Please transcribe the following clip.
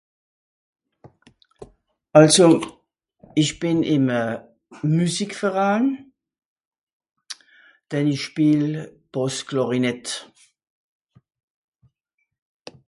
àlso ìsch bìn ìm a musik Veraan denn ìsch spiel bàss clarinette